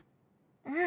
うん。